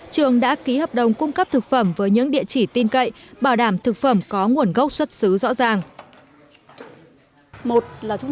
trường đã ký hợp đồng cung cấp thực phẩm với những địa chỉ tin cậy bảo đảm thực phẩm có nguồn gốc xuất xứ rõ ràng